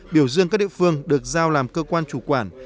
biểu dương các địa phương được giao làm cơ quan chủ quản